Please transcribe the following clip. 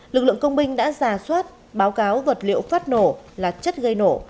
lực lượng công binh đã giả soát báo cáo vật liệu phát nổ là chất gây nổ